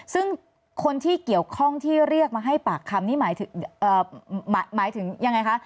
ซึ่งคนที่เกี่ยวข้องที่เรียกมาให้ปากคำนี่หมายถึงยังไงคะ